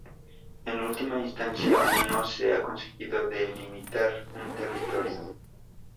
En última instancia, aún no se ha conseguido delimitar un territorio.